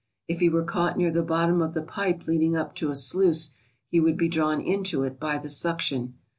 If he were caught near the bottom of the pipe leading up to a sluice he would be drawn into it by the suction.